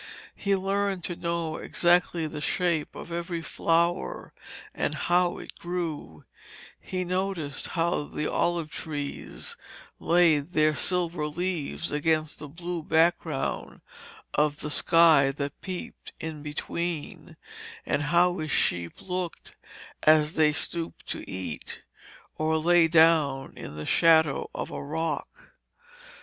He learned to know exactly the shape of every flower and how it grew; he noticed how the olive trees laid their silver leaves against the blue background of the sky that peeped in between, and how his sheep looked as they stooped to eat, or lay down in the shadow of a rock.